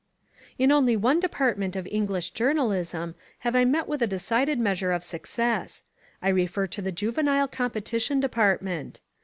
In only one department of English journalism have I met with a decided measure of success; I refer to the juvenile competition department.